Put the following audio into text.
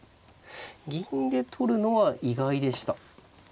銀で取るのは意外でした。